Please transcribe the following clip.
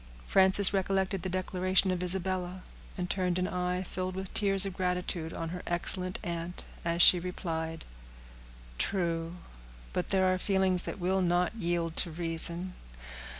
Frances recollected the declaration of Isabella, and turned an eye filled with tears of gratitude on her excellent aunt, as she replied,— "True; but there are feelings that will not yield to reason.